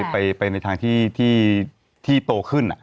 ให้มันไปในทางที่โตขึ้นอะ